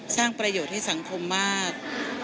สร้างประโยชน์ให้สังคมมาก